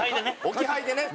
置き配でね。